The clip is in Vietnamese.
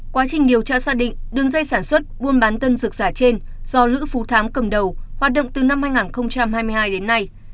quá trình điều tra xác định đường dây sản xuất buôn bán tân dược giả trên do lữ phú thám cầm đầu hoạt động từ năm hai nghìn hai mươi hai đến nay